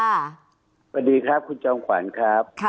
สวัสดีครับคุณจอมขวัญครับ